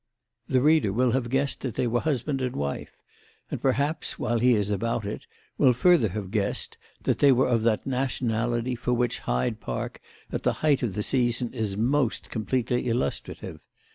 The reader will have guessed that they were husband and wife; and perhaps while he is about it will further have guessed that they were of that nationality for which Hyde Park at the height of the season is most completely illustrative.